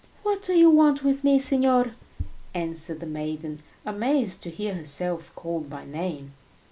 "What do you want with me, signor?" answered the maiden, amazed to hear herself called by name.